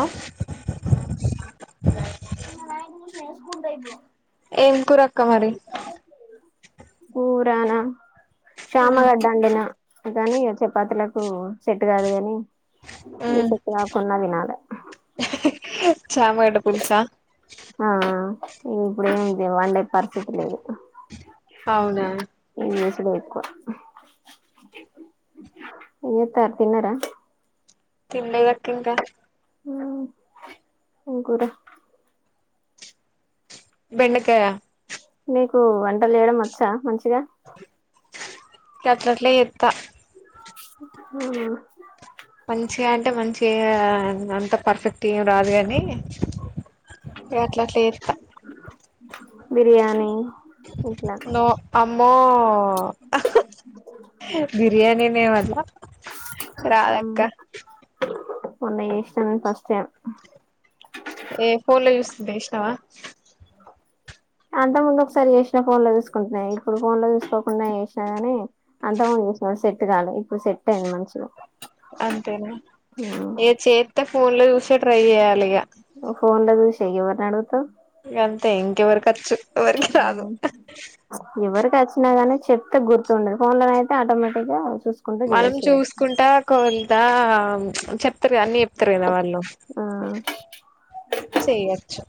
ఆ చేసుకుంటే అయిపోవ్ ఏం కురక్క మరి కూరనా శమగడ్డాండినా గనీ ఇగ చపాతీలకు సెట్ కాదు కాని ఇగ ఉమ్ సెట్టు కాకున్నా తినాలే చామగడ్డ పులుసా ఇం ఇప్పుడెం వండే పరిసీత్ లేదు అవునా ఇవి చేసుడే ఎక్కువ ఏం చెత్తర్ తిన్నార తిన్లేద్ అక్క ఇంకా ఉమ్ ఎం కూర బెండకాయ నీకు వంటల్ చేయడం వచ్చా మంచిగా అట్లట్ల చేత్త ఆ మంచిగా అంటే మంచిగా అంత పర్ఫెక్ట్ ఏం రాదు కాని ఇగ అట్లట్ల చేేత్త బిర్యాని నో ఆమ్మో బిర్యానీన్ మేమల్ల రాదక్క మొన్న చేసిన నిన్ ఫస్ట్ టైమ్ లేశినవ ఆ అంత ముందు ఒకసారి చేసినా ఫోన్ లో తీసుకుంటనే ఇప్పుడు ఫోన్ లో తీూసుకోకుండా చేసినా కని అంత ముందు శిన సేట్ కాలే ఇప్పుడు సెట్ అయింది మంచిగ అంతేనా ఏ చేత్తె ఫోన్ ల చూసే ట్రై చేయాలిగా ఓ ఫోన్ల చూసే ఎవరిని అడుగుతావ్ గంతే ఇంకెవరికోచ్చు ఎవరికి రాదు ఎవరికి వచ్చినా గానీ చెప్తే గుర్తుండదు ఫోన్ లో అయితే ఆటోమేటిక్ గా చూసుకుంటూ మనం చేసేయచ్చు చూసుకుంటా కొంత చెప్తారుగ అన్ని చెప్తారుగ వాళ్ ళ్ళు ఆ చేయోచ్చు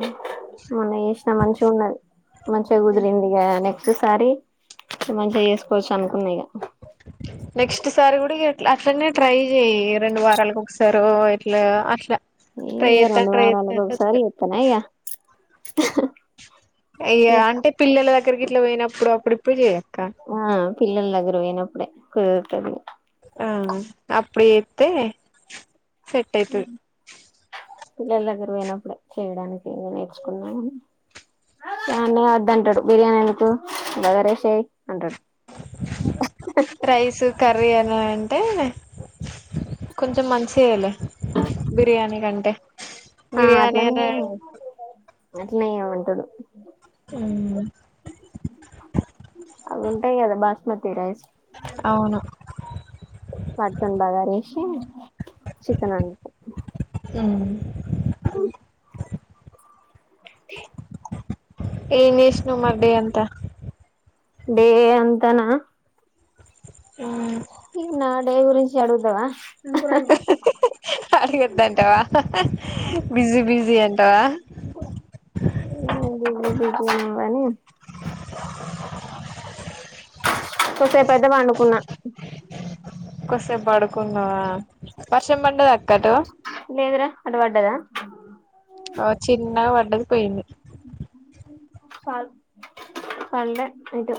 మ్ మొన్న చేసినా మంచిగా ఉన్నది మంచిగా కుదిరింది కదా నెక్స్ స్ట్ ఒకసారి మంచిగా చేసుకోవచ్చు అనుకున్నా ఇగ నెక్స్ట్ సారి కూడా అట్లనే ట్రై చెయ్ రెండు వారాలకు ఒకసారో ఏట్లో అట్లా ట్రై ఈగ చేత్తా రెండు ట్రై చేత్తా వారలకు ఒక అంటే సరి వస్తాయి చేత్తనా ఈగ ఇగ అంటే పిల్లల దగ్గరకి గిట్లా పోయినప్పుడో అప్పుడు ఇప్పుడు చే ఆ పిల్లల దగ్గరికి పోయినప్పుడే కుదురుతది ఆ అప్పుడు చేత్తే సెట్ అయితది పిల్లల దగ్గరికి పోయినప్పుడే చేయడానికి ఇంగ నేర్చుకుందమని మీ అన్నయ్య వద్దంటడు బిర్యాని ఎందుకు బగర రైస్ చెయ్ అంటాడు రైస్ కర్రీ అని అంటే కొంచెం మంచిదే లే బిర్యానీ కంటే బిర్యానీ అన్న అట్నే చేయమంటాడు మ్ అవి ఉంటాయి కదా బాస్మతి రైస్ వాటితోని బగరేస్ శి చికేనోండుత మ్ అఓ ఎం చేసినవ్ మరి డే అంత డే అంతనా ఇగ నాడే గురించి అడుగుతవ అడుగోదంటావా బిజి బిజి అంటావా బిజి ఏమో గని కొసేపైతే పండుకున్నా కొసేపు పండుకున్నవా వర్షం పడ్డద అక్క అటు లేదురా అటు పడ్డదా ఓ చిన్నగా పడ్డది పోయింది సాల్ పళ్ళే ఇటు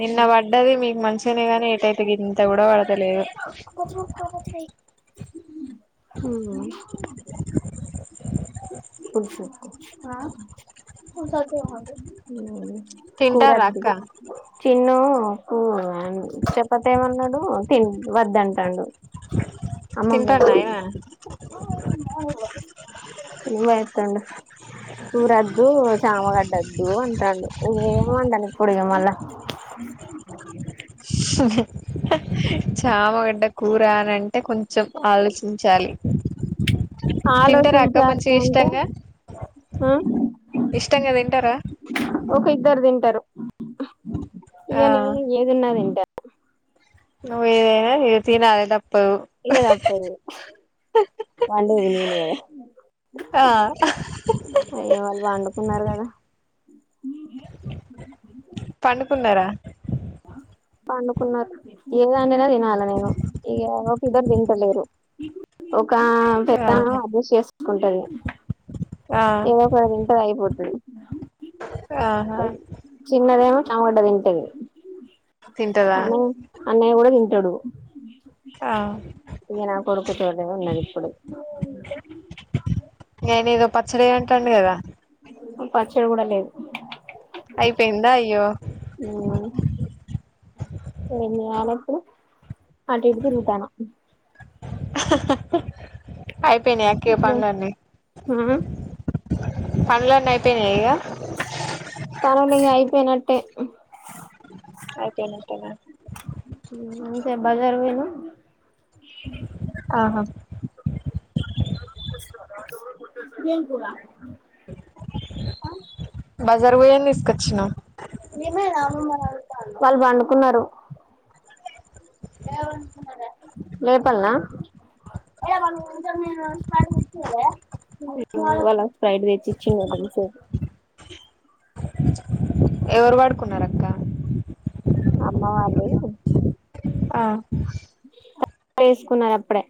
నిన్న పడ్డది మీకు మంచిగానే గానీ ఏటైతే గింత కూడా పడతలేదు అహ పురుషు ఆ తింటారా కూరద్ది అక్క చిన్ను ఆకు చప్పతే ఏమన్నాడు తి వద్దంటాడు అమ్మమ్మ తింటాండ ఇంటికి ఆయన నువయతా న కురద్దు చామగడ్డద్దు అంటండు ఇంగేమ్ వండను ఇప్పుడుగే మళ్ళా మ్ బాలేదు హ్హ్హ్ చామగడ్డ కూర అని అంటే కొం చెం ఆలోచించాలి తింటారు అక్క మంచిగా ఇష్టంగా హ ఇష్టంగా తింటారా ఒక ఇద్దరుతిం టారు ఆ ఇగ నేను ఏదిన్నా తింటా నువ్నా ఇ తిన అలేప్ ఇగ తప్పవు వండేది నీను ఆ అద అయ్యో వండుకున్నారు కదా కున్నార అ పండుకున్నారు ఏదాంటనా తినాలి నేను ఇకో ఇద్దరు తింటలేరు. ఒక ఆ పెద్ద అజస్ చేసుకుంటది ఆ ఏద కూడా ఇంట అగిపోతుడి ఆహా చిన్నదేమొ టమట తింటది. తింటదా? అన్నయ్య అన్నయ్య కూడా తింటాడు. ఆ ఏ నా కొడుకు తోటే ఉన్నది ఇప్పుడు నేనుద పచ్చడి అంటం గదా పచ్చడి కూడా లేదు అయిపోయిందా అయ్యో ఏన్నిలప్పుడు అటు ఇటు తిరుగుతాను అహ్హ్ అయిపోనియ కె పనులన్నీ పనులన్ నైపో పనులిగ అయిపోయినట్టే అయితేనంటనా అంతే బజారు వేను ఆహా [unintelligible] నేను కూడా ఆ బజార్ పోయని తీసుకొచ్చిన మేమమ్మ వాళ్ళు పండుకున్నారు లేపల్నా ఏవళ జమీన్ స్తలే వాళ్లా ఫ్రైడ్ వెజ ఇచ్చింది క సార్ ఎవరు వడుకున్నారు అక్క అమ్మ వాళ్ళు ఆ వేసుకున్నారు అప్పుడే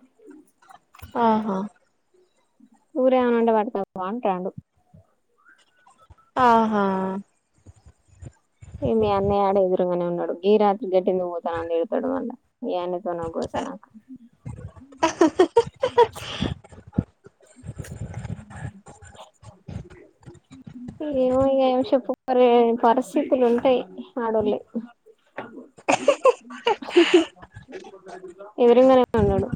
ఆహా కూర ఏమన్న ఉంటే పట్కపో అంటాండు. ఆహా! ఏ మీ అన్నయ్య ఆడ ఎదురుగనే ఉన్నడు గీ రాత్రి గటెందుకు పోతానవ్ అన్ తిడతడు మళ్ళ మీ ఆయనతోనో గోస నాకు [inaudible] ఏమో ఇగ ఏం చెప్పుకోని పరిస్థితుల్ ఉంటయి ఆడోళ్ళయి ఎదురుంగనే ఉన్నడు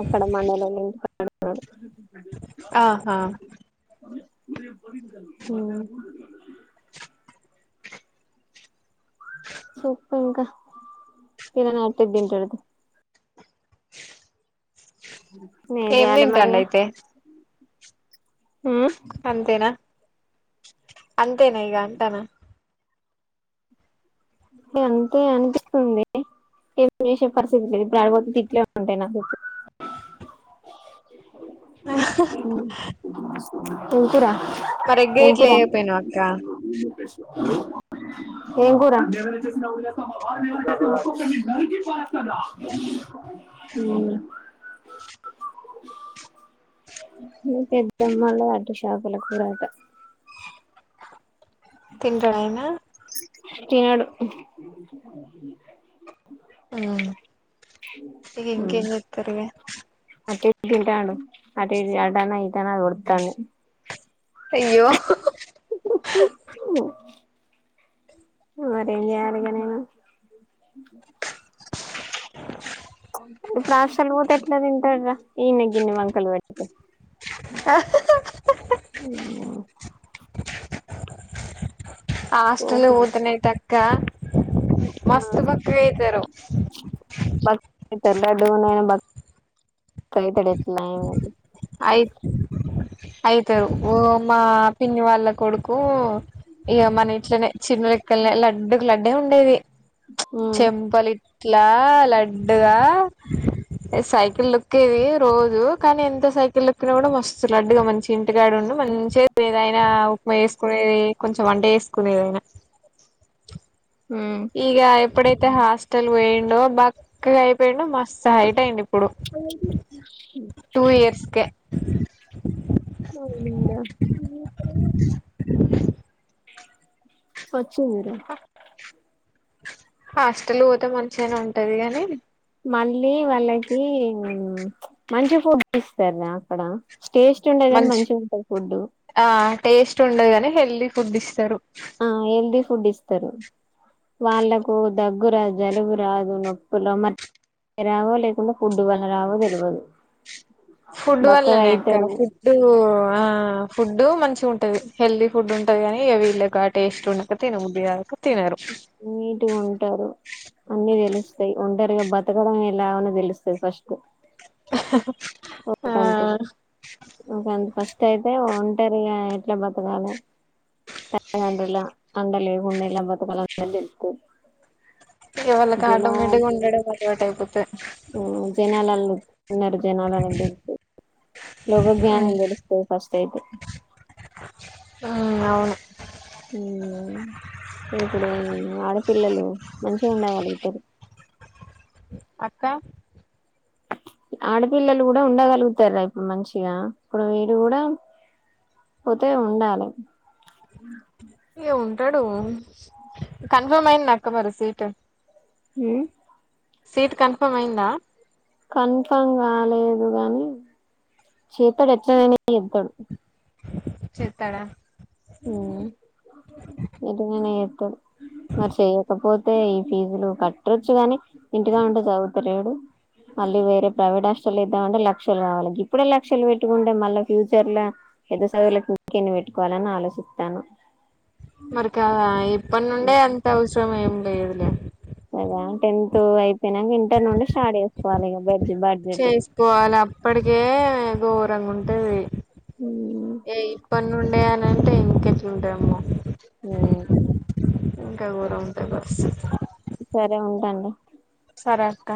అక్కడ మండలోల్ ఇంటి కాడున్నడు. ఆహా! మ్ చెప్పు ఇంక నేను ఏం చేయాలి తింటాండ్ మరిగా అయితే ఉమ్ అంతేనా అంతేనా ఇగ అంటనా ఇగ అంతే అన్పిస్తుంది. ఏం చేసే పరిస్థితి లేదు ఇప్పుడాడ పోతే తిట్లే ఉంటయి నాకు ఇప్పుడు ఏం కూర మరి ఎగ్ ఏం గిట్ల కూర చేయకపోయినావ అక్క ఏం కూర మ్ ఈ పెద్దమ్మొల్లది అటు చాపల కూరట. తింటడైనా తినడు. మ్ ఇగ ఇంకేం చేత్తరిగ అట్ ఇట్ తింటాండు అటు ఇటు అదన్న ఇదన్న అద్ ఒడుత్తాంది. అయ్యో! ఓ మరేం చేయాలిగ నేను ఇప్పుడ్ హాస్టల్క్ పోతే ఎట్లా తింటడ్రా ఈడ్నే గిన్ని వంకల్ పెడ్తే ఏమో హాస్టల్ కోపం ఓతెనైతే అక్కా మస్త్ బక్కగైతరు. బక్క అయితరు లడ్డుగున్న అయిన బక్ అయితడు ఎట్లైన అయి అయితరు ఓ మా పిన్ని వాళ్ళ కొడుకూ ఇగ మన ఇట్లనే చిన్ను లెక్కలనే లడ్డుక్ లడ్డే ఉండేది. చెంపలిట్లా లడ్డుగా ఎ సైకిల్ తొక్కేది రోజు కనీ ఎంత సై కిల్ తొక్కిన గుడా మస్త్ లడ్డుగ మంచిగ ఇంటికా ఉండు మంచిగ [unintelligible] ఆ ఉప్మా చేస్కునేది కొంచం వంట చేస్కునేది అయినా ఉమ్ ఇగ ఎప్పుడైతే హాస్టల్ పోయిండో బక్కగైపొయిండు మ స్త్ హైట్ అయిండు ఇప్పుడు టూ ఇయర్స్కే అవునురా స్వచ్ ఊర హాస్టల్ పోతే మంచిగనే ఉంటది గని మళ్ళీ వాళ్ళకీ మంచి ఫుడ్ ఇస్తర్రా అక్కడ స్టేస్ట్ ఉండద్ గని మంచి మంచిగుంటది ఫుడ్ ఆ టేస్ట్ ఉండదు గాని హెల్దీ ఫుడ్ ఇస్తారు ఆ హెల్దీ ఫుడ్ ఇస్తారు వాళ్ళలకు దగ్గురాద్ జలుబు రాదు నొప్పుల్ రావ్ మర్ రావో లేకుంటే ఫుడ్ వల్ల రావో తెల్వదు ఫుడ్డు వల్లనే అక్క ఫుడ్డు ఆ ఫుడ్ మంచిగుంటది హెల్దీ ఫుడ్ ఉంటది గని వీళ్ళక టేస్ట్ ఉండక తినబుద్ది కాక తినరు నీటీ గుంటరు అన్నిీ తెలుస్తాయ్ ఒంటర్ గా బతకడం ఎలా అని తెలుస్తాది ఫస్ట్ ఓ ఆ కంతు ఓకంతు పష్ అయితే ఒంటరిగా ఎట్లా బతకాలే తల్లిదండ్రుల అండలేకుండా ఎలా బతకాలనేది తెల్త్తది ఇగ వాళ్ళకి ఆటోమేటిక్గ్గా ఉండడం అలవాటైపోతద్ ఆ జనాలలో ఉన్నారు జనాలని తెల్త్తది లోక జ్ఞానం తెలుస్తది ఫస్ట్ అయితే ఆ అవును ఉం ఇప్పుడు ఆడిపిల్లలు మంచిగుండగలుగుతారు అక్క ఆడపిల్లలు కూడా ఉండగలుగుతారా ఇప్పుడు మంచిగా ఇప్పుడు వీడు గుడా పోతే ఉండాలే ఇగ ఉంటడు కన్ఫర్మ్ అయిందక్క మరి సీట్ ఉమ్ సీట్ కన్ఫర్మ్ అయిందా కన్ఫామ్ కాలేదు గని చేత్తడు ఎట్లనైనా చెత్తడు చెత్తడా త్తడ్ మరి చెయకపోతే ఈ ఫీజులు కట్టొచ్చు గాని ఇంటికా ఉంటే చదువుతలేడు మళ్ళీ వేరే ప్రైవేట్ హస్టళ్లేద్దామంటే లక్షలు కావాలి గిప్పుడే లక్షలు పెట్టుకుంటే మళ్ళ ఫ్యూచర్ల పెద్ద చదువులకి ఇంకెన్ని పెట్టుకోవాలని ఆలోచిత్తానా మరి కాదా ఇప్పటి నుండే అంత అవసరం ఏం లేదులే కదా టెన్త్ అయిపోయినంక ఇంటర్ నుండి స్టార్ట్ చేసుకోవాలి ఇగ బె చేసుకోవాలే అప్పడికే ఘోరంగా ఉంటది ఇగ ఇప్పనుండే అనంటే ఇంకెట్లుంటమ్మో ఇంకా గోరం ఉంటది పరిస్థితి సరే ఉంటన్ రా సరే అక్క